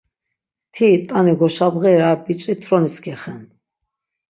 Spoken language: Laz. Ti t̆ani goşabğeri ar biç̆i tronis gexen.